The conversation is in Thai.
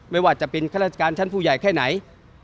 ไม่ว่าจะเป็นข้าราชการชั้นผู้ใหญ่แค่ไหน